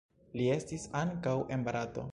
Li estis ankaŭ en Barato.